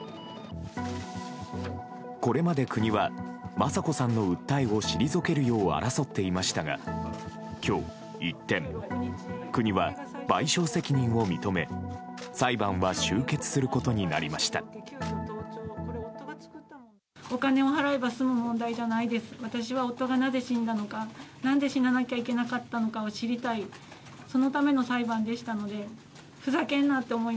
これまで、国は雅子さんの訴えを退けるよう争っていましたが今日、一転国は賠償責任を認め裁判は終結することになりました。